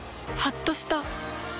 はっとした。